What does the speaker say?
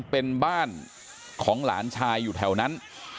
เป็นบ้านของหลานชายอยู่แถวนั้น